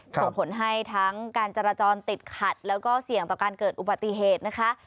ส่งผลให้ทั้งการจราจรติดขัดแล้วก็เสี่ยงต่อการเกิดอุบัติเหตุนะคะ